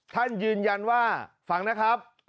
ท่านยืนยันว่าฟังนะครับ